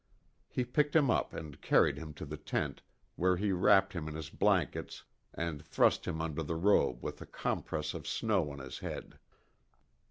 He picked him up and carried him to the tent where he wrapped him in his blankets and thrust him under the robe with a compress of snow on his head.